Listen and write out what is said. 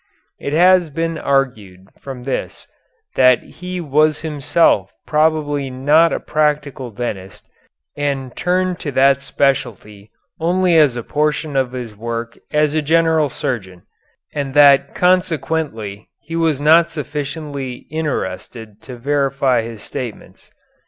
It has been argued from this that he was himself probably not a practical dentist, and turned to that specialty only as a portion of his work as a general surgeon, and that consequently he was not sufficiently interested to verify his statements.